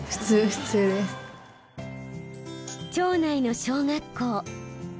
町内の小学校。